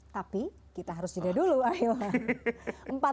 tapi kita harus juda dulu akhirnya